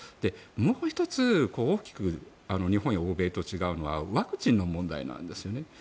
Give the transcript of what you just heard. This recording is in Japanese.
もう１つ大きく日本や欧米と違うのはワクチンの問題なんですよね。